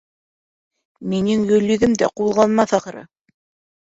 Минең Гөлйөҙөм дә ҡуҙғалмаҫ, ахыры.